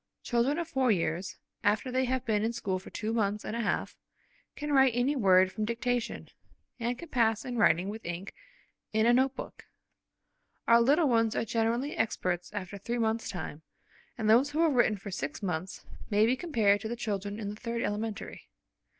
Children of four years, after they have been in school for two months and a half, can write any word from dictation, and can pass to writing with ink in a note book. Our little ones are generally experts after three months' time, and those who have written for six months may be compared to the children in the third elementary.